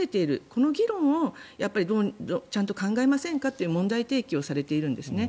この議論をちゃんと考えませんかという問題提起をされているんですね。